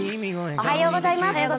おはようございます。